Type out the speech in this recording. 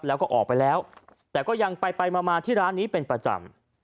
แล้วก็ออกไปแล้วแต่ก็ยังไปไปมาที่ร้านนี้เป็นประจำ